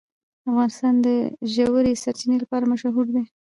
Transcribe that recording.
افغانستان د ژورې سرچینې لپاره مشهور دی.